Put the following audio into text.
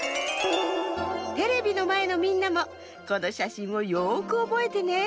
テレビのまえのみんなもこのしゃしんをよくおぼえてね。